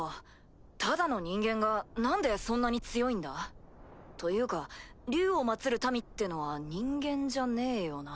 ただの人間が何でそんなに強いんだ？というか竜を祀る民ってのは人間じゃねえよな？